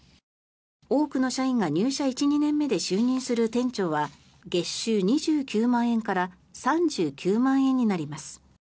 多くの社員が入社１２年目で就任する店長は月収２９万円から３９万円になります。